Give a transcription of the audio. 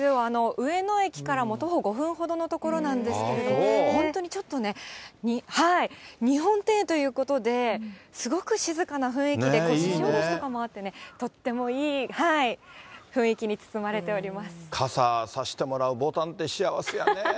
上野駅からも徒歩５分ほどの所なんですけども、本当にちょっとね、日本庭園ということで、すごく静かな雰囲気で、腰を下ろす所とかもあって、とってもいい雰囲気に包まれておりま傘さしてもらうぼたんって幸せやねぇ。